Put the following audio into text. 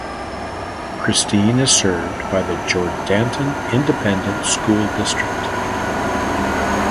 Christine is served by the Jourdanton Independent School District.